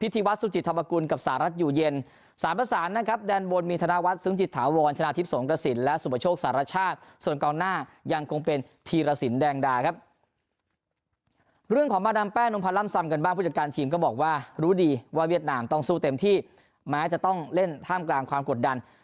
ที่แม้ว่าจะต้องเล่นท่ามกลางความควดดัน